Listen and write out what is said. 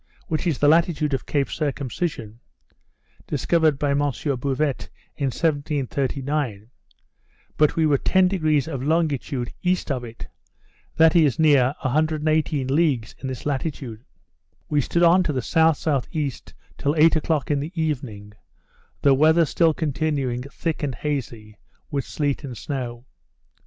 which is the latitude of Cape Circumcision, discovered by M. Bouvet in 1739; but we were ten degrees of longitude east of it; that is, near 118 leagues in this latitude. We stood on to the S.S.E. till eight o'clock in the evening, the weather still continuing thick and hazy, with sleet and snow.